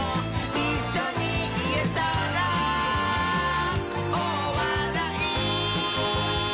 「いっしょにいえたら」「おおわらい」